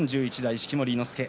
式守伊之助